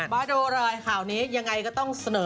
มาดูเลยข่าวนี้ยังไงก็ต้องเสนอ